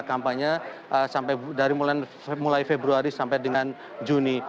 kampanye mulai dari februari sampai dengan juni